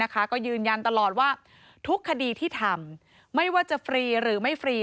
ก็ยืนยันตลอดว่าทุกคดีที่ทำไม่ว่าจะฟรีหรือไม่ฟรี